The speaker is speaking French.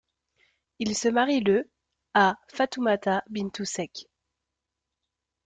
Il se marie le à Fatoumata Bintou Seck.